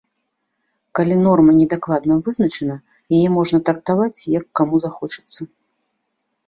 Калі норма недакладна вызначана, яе можна трактаваць як каму захочацца.